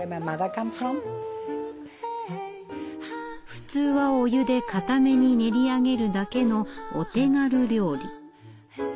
普通はお湯でかために練り上げるだけのお手軽料理。